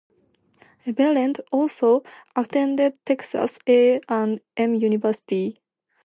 Everett also attended Texas A and M University.